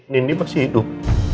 nindy masih hidup